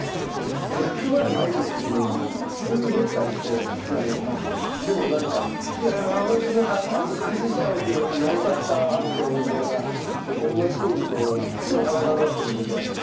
役場にあいさつに行くのに、普通、ネクタイして行くじゃないですか、でもなんか、いや、長靴で安心したよって言われたとき、よかったって思いながら、この町にいると、いつも裸になってるんで、こうやって。